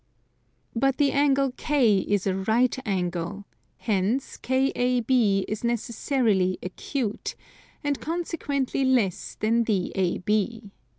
But the angle K is a right angle: hence KAB is necessarily acute, and consequently less than DAB.